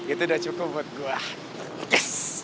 itu udah cukup buat gue